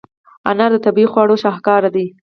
انار د طبیعي خواړو شاهکار دی.